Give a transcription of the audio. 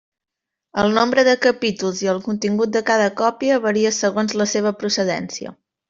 El nombre de capítols i el contingut de cada còpia varia segons la seva procedència.